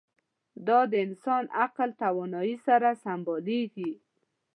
دا د انسان عقل توانایۍ سره سمبالېږي.